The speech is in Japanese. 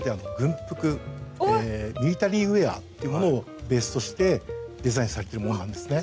ミリタリーウエアっていうものをベースとしてデザインされてるものなんですね。